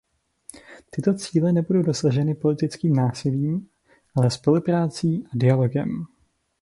Tyto cíle nebudou dosaženy politickým násilím, ale spoluprácí a dialogem.